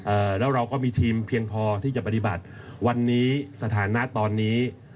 แล้วเราก็มีทีมเพียงพอที่จะปฏิบัติวันนี้สถานะตอนนี้